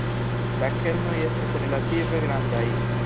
La kernoj estas relative grandaj.